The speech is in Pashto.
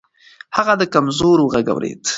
هغه د کمزورو غږ اورېده.